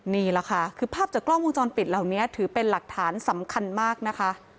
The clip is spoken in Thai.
นี่แหละค่ะคือภาพจากกล้องวงจรปิดเหล่านี้ถือเป็นหลักฐานสำคัญมากนะคะ